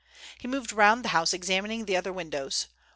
He moved round the house examining the other windows.